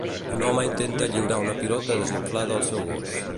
Un home intenta lliurar una pilota desinflada al seu gos.